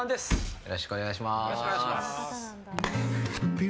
よろしくお願いします。